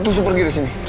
terus lo pergi dari sini